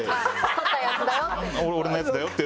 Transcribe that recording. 「取ったやつだよ」って。